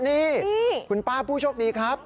นี่คุณป้าผู้โชคดีครับ